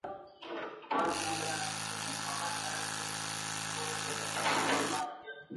شریعت د ملکیت حق ته درناوی لري.